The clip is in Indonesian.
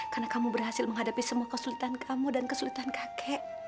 karena kamu berhasil menghadapi semua kesulitan kamu dan kesulitan kakek